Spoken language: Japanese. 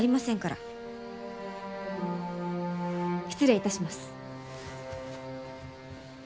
失礼いたします。